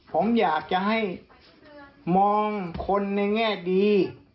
ผมอยากจะให้มองคนในแง่ดี